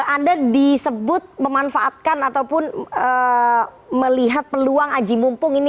anda disebut memanfaatkan atau